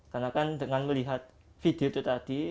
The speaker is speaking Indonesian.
karena kan dengan melihat video itu tadi